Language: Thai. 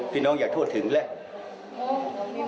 พี่น้องอยากโทษถึงแล้ว